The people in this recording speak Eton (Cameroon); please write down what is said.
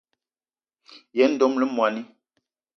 Yen dom le moní.